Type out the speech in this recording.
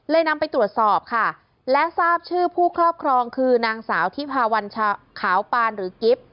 นำไปตรวจสอบค่ะและทราบชื่อผู้ครอบครองคือนางสาวที่พาวันขาวปานหรือกิฟต์